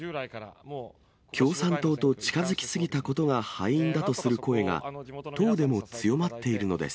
共産党と近づき過ぎたことが敗因だとする声が、党でも強まっているのです。